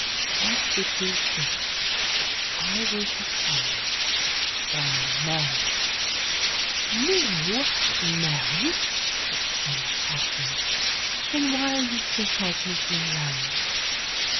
What should you think if I were to tell you that I am married?" "You!—married!" exclaimed Katherine. "Then why are you still called Miss Monroe?"